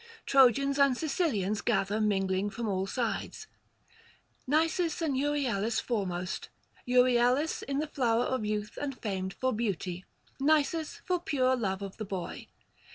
Trojans and Sicilians gather mingling from all sides, Nisus and Euryalus foremost ... Euryalus in the flower of youth and famed for beauty, Nisus for pure love of the boy.